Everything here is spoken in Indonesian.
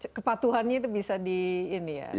jadi kepatuhannya itu bisa dikatakan cukup patuh ya